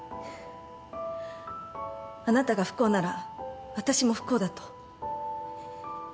あなたが不幸なら私も不幸だと。